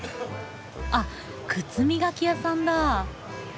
あっ靴磨き屋さんだ。